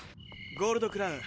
ゴールドクラウン。